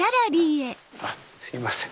すいません。